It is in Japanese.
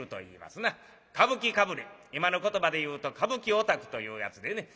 歌舞伎かぶれ今の言葉で言うと歌舞伎オタクというやつでね。